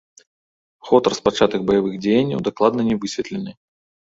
Ход распачатых баявых дзеянняў дакладна не высветлены.